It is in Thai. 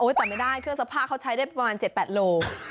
แต่ไม่ได้เครื่องซักผ้าเขาใช้ได้ประมาณ๗๘โล